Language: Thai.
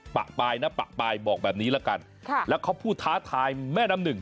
ปะปลายนะปะปลายบอกแบบนี้ละกันค่ะแล้วเขาพูดท้าทายแม่น้ำหนึ่ง